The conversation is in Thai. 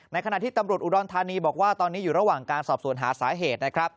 ขณะที่ตำรวจอุดรธานีบอกว่าตอนนี้อยู่ระหว่างการสอบสวนหาสาเหตุนะครับ